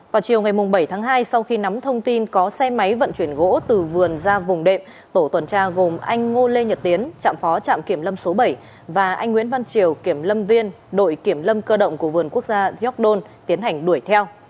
vào chiều ngày bảy tháng hai sau khi nắm thông tin có xe máy vận chuyển gỗ từ vườn ra vùng đệm tổ tuần tra gồm anh ngô lê nhật tiến trạm phó trạm kiểm lâm số bảy và anh nguyễn văn triều kiểm lâm viên đội kiểm lâm cơ động của vườn quốc gia york don tiến hành đuổi theo